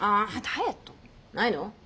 ないの？